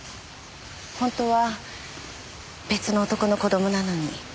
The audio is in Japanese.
本当は別の男の子供なのに。